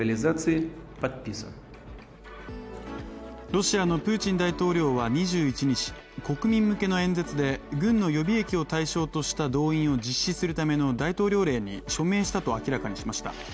ロシアのプーチン大統領は２１日、国民向けの演説で軍の予備役を対象とした動員を実施するための大統領令に署名したと明らかにしました。